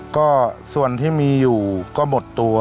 ก็ส่วนที่มีอยู่ก็หมดตัว